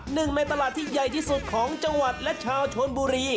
หนึ่งในตลาดที่ใหญ่ที่สุดของจังหวัดและชาวชนบุรี